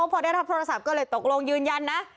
พอได้รับโทรศัพท์ก็เลยตกลงยืนยันนะ